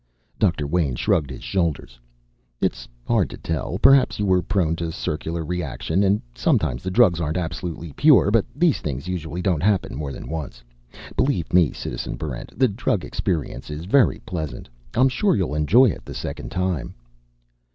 Doctor Wayn shrugged his shoulders. "It's hard to tell. Perhaps you were prone to circular reaction; and sometimes the drugs aren't absolutely pure. But these things usually don't happen more than once. Believe me, Citizen Barrent, the drug experience is very pleasant. I'm sure you'll enjoy it the second time."